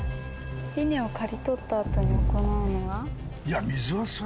「稲を刈り取ったあとに行うのは？」。